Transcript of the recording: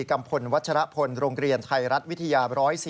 กัมพลวัชรพลโรงเรียนไทยรัฐวิทยา๑๐๔